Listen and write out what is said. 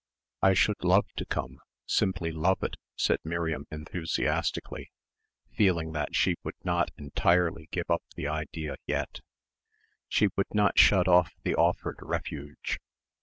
"I should love to come simply love it," said Miriam enthusiastically, feeling that she would not entirely give up the idea yet. She would not shut off the offered refuge.